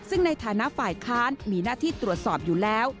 ซึ่งในฐานะฝ่ายค้านมีหน้าที่ตรวจสอบอยู่แล้ว